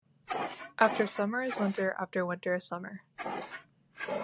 After summer is winter, after winter summer.